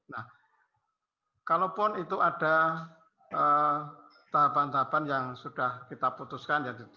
nah kalaupun itu ada tahapan tahapan yang sudah kita putuskan